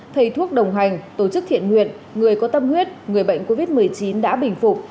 thầy thuốc đồng hành tổ chức thiện nguyện người có tâm huyết người bệnh covid một mươi chín đã bình phục